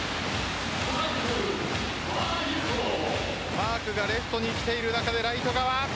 マークがレフトに来ている中でライト側。